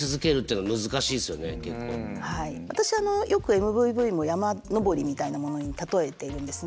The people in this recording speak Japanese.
私よくＭＶＶも山登りみたいなものに例えているんですね。